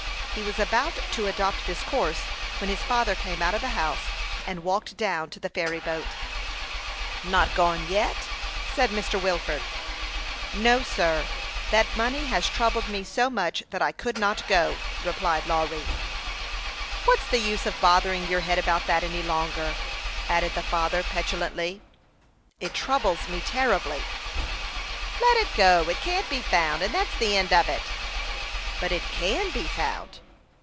He was about to adopt this course when his father came out of the house, and walked down to the ferry boat. " Not gone yet ?" said Mr. Wilford. " No, sir ; that money has troubled me so much that I could not go," replied Lawry, with his eyes fixed on the ground. " What's the use of bothering your head about that any longer ?" added the father, petulantly. "It troubles me terribly." " Let it go ; it can't be found, and that's the end of it." " But it can be found."